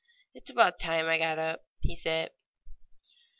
"It's about time I got up," he said.